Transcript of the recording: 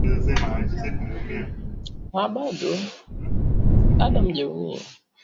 Uhamasishwaji au Elimu kwa umma kuhusu ugonjwa